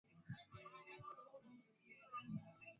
hakuwasilisha mapendekezo yoyote ya katiba bungeni